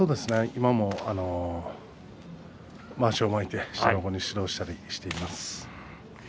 今でもまわしを巻いて指導したりしています。